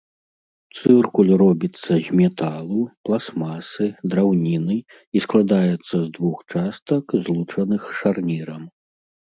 Цыркуль робіцца з металу, пластмасы, драўніны і складаецца з двух частак, злучаных шарнірам.